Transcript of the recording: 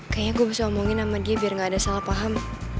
kayaknya gue bisa omongin sama dia biar gak ada salah paham